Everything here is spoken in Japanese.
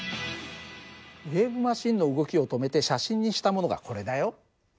ウエーブマシンの動きを止めて写真にしたものがこれだよ。